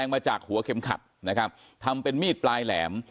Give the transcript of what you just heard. มาจากหัวเข็มขัดนะครับทำเป็นมีดปลายแหลม